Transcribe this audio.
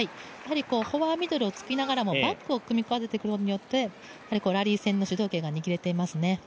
フォアミドルを突ききながらもバックを組合わせてくることによってラリー戦の主導権が握れていますね。